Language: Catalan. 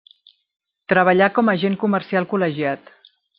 Treballà com a agent comercial col·legiat.